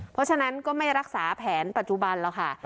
เพราะฉะนั้นก็ไม่รักษาแผนปัจจุบันแล้วค่ะ